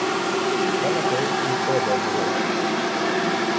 Та на полиці й кладе було.